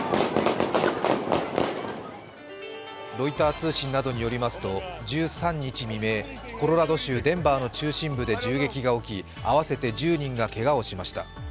ロイター通信などによりますと１３日未明、コロラド州デンバーの中心部で銃撃が起き合わせて１０人がけがをしました。